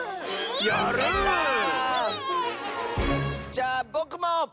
じゃあぼくも！